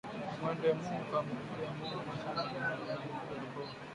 Mwende mu ka paluriye mu mashamba na ba mama yabo